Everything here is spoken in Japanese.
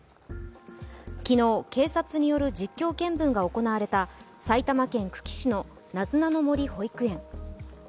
昨日、警察よる実況見分が行われた埼玉県久喜市のなずなの森保育園。